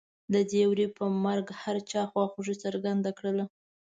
د دې وري په مرګ هر چا خواخوږي څرګنده کړله.